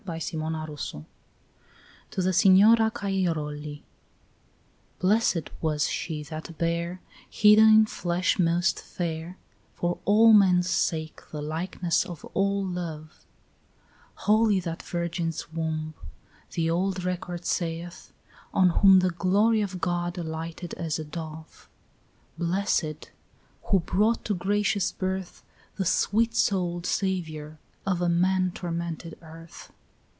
BLESSED AMONG WOMEN TO THE SIGNORA CAIROLI 1 BLESSED was she that bare, Hidden in flesh most fair, For all men's sake the likeness of all love; Holy that virgin's womb, The old record saith, on whom The glory of God alighted as a dove; Blessed, who brought to gracious birth The sweet souled Saviour of a man tormented earth.